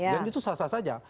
dan itu susah susah saja